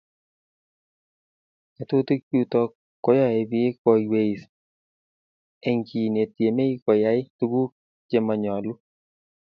ngatutik chutok ko yae piik koyweis eng' chii netiemei koyai tuguk che manyalu